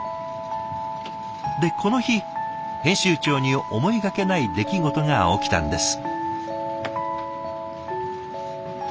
でこの日編集長に思いがけない出来事が起きたんです。